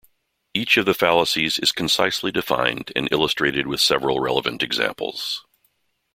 Each of the fallacies is concisely defined and illustrated with several relevant examples.